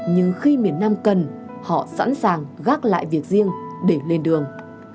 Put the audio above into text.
nhưng khi miền nam cần họ sẵn sàng gác lại việc riêng để lên đường